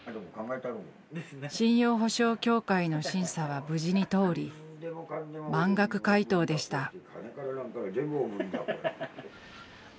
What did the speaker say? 信用保証協会の審査は無事に通り満額回答でした。